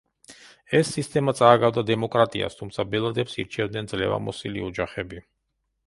ეს სისტემა წააგავდა დემოკრატიას, თუმცა ბელადებს ირჩევდნენ ძლევამოსილი ოჯახები.